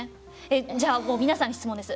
じゃあもう皆さんに質問です。